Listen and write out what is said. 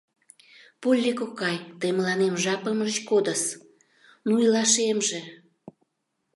Полли кокай, тый мыланем жапым ыжыч кодыс, ну... илашемже!